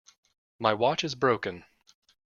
My watch is broken.